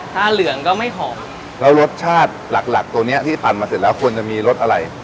ถ้าเหลืองก็ไม่หอมแล้วรสชาติหลักหลักตัวเนี้ยที่ปั่นมาเสร็จแล้วควรจะมีรสอะไร